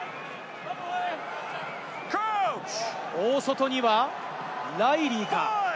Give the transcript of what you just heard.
大外にはライリーか？